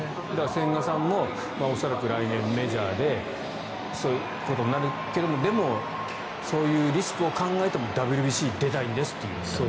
千賀さんも恐らく来年メジャーでそういうことになるけどでもそういうリスクを考えてもＷＢＣに出たいんですと。